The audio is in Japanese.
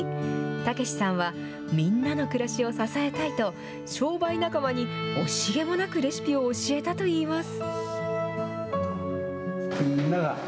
武士さんは、みんなの暮らしを支えたいと、商売仲間に惜しげもなくレシピを教えたといいます。